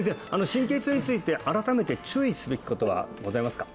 神経痛について改めて注意すべきことはございますか？